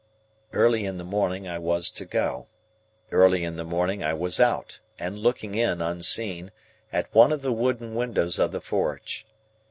Early in the morning I was to go. Early in the morning I was out, and looking in, unseen, at one of the wooden windows of the forge.